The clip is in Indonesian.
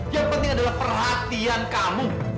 yang penting adalah perhatian kamu